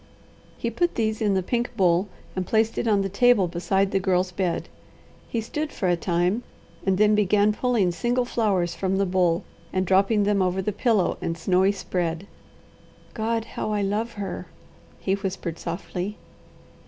He put these in the pink bowl and placed it on the table beside the Girl's bed. He stood for a time, and then began pulling single flowers from the bowl and dropping them over the pillow and snowy spread. "God, how I love her!" he whispered softly.